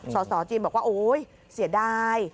สสจีนบอกว่าโอ๊ยเสียดาย